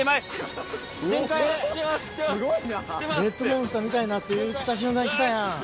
レッドモンスター見たいなって言った瞬間きたやん。